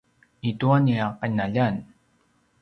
i tua nia qinaljan